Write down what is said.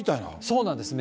そうなんですね。